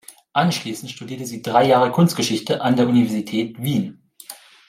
Anschließend studierte sie drei Jahre Kunstgeschichte an der Universität Wien.